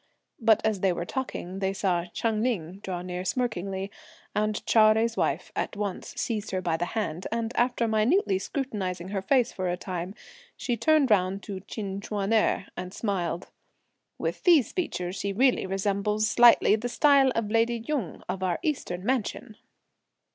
But as they were talking, they saw Hsiang Ling draw near smirkingly, and Chou Jui's wife at once seized her by the hand, and after minutely scrutinizing her face for a time, she turned round to Chin Ch'uan erh and smiled. "With these features she really resembles slightly the style of lady Jung of our Eastern Mansion."